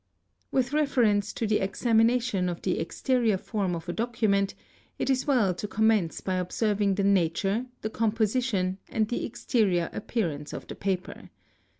With reference to the examination of the exterior form of a document, it is well to commence by observing the nature, the composition, and the exterior appearance of the paper.